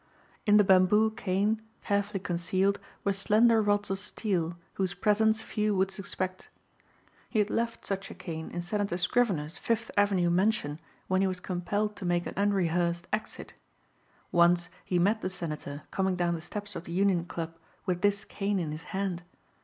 In the bamboo cane, carefully concealed, were slender rods of steel whose presence few would suspect. He had left such a cane in Senator Scrivener's Fifth Avenue mansion when he was compelled to make an unrehearsed exit. Once he met the Senator coming down the steps of the Union Club with this cane in his hand.